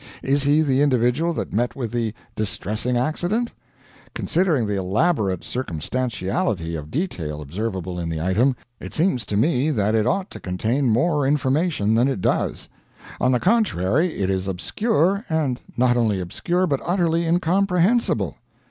Is he the individual that met with the "distressing accident"? Considering the elaborate circumstantiality of detail observable in the item, it seems to me that it ought to contain more information than it does. On the contrary, it is obscur and not only obscure, but utterly incomprehensible.